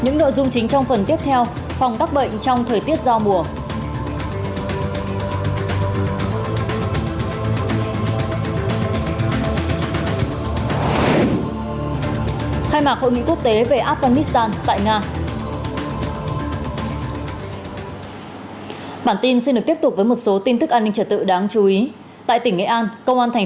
những nội dung chính trong phần tiếp theo